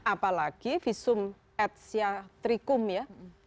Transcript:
apalagi visum etsia tricum ya